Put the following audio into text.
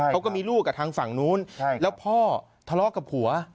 เขาก็มีลูกกับทางฝั่งนู้นแล้วพ่อทะเลาะกับผัว